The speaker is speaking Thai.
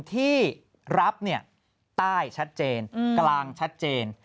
ที่รับใต้ชัดเจนกลางชัดเจน